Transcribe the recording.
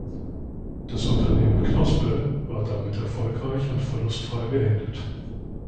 Das Unternehmen "Knospe" war damit erfolgreich und verlustfrei beendet.